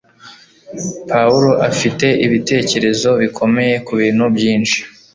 Pawulo afite ibitekerezo bikomeye kubintu byinshi